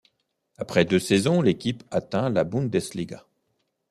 Après deux saisons, l'équipe atteint la Bundesliga.